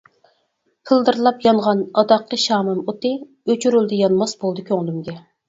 پىلدىرلاپ يانغان ئاداققى شامىم ئوتى ئۆچۈرۈلدى، يانماس بولدى كۆڭلۈمگە.